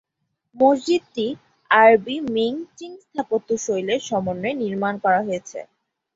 মসজিদটি আরবি, Ming, Ching স্থাপত্য শৈলীর সমন্বয়ে নির্মাণ করা হয়েছে।